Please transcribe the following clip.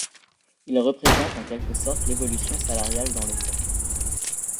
Ils représentent en quelque sorte l'évolution salariale dans le temps.